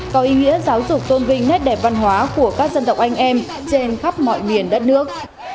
có ý nghĩa giáo dục tôn vinh nét đẹp văn hóa của các dân tộc anh em trên khắp mọi miền đất nước